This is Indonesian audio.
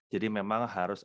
jadi memang harus